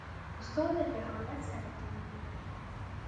استاد له جهالت سره جنګیږي.